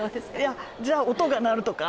じゃ、音が鳴るとか？